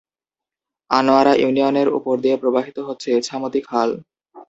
আনোয়ারা ইউনিয়নের উপর দিয়ে প্রবাহিত হচ্ছে ইছামতি খাল।